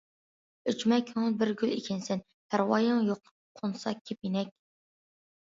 ئۈجمە كۆڭۈل بىر گۈل ئىكەنسەن، پەرۋايىڭ يوق قونسا كېپىنەك.